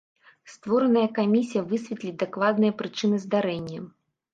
Створаная камісія высветліць дакладныя прычыны здарэння.